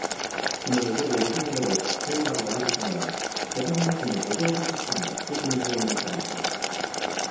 昨日午後６時ごろ、陛下と愛子さまは世田谷区の五島美術館を私的に訪問されました。